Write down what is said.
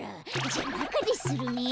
じゃなかでするね。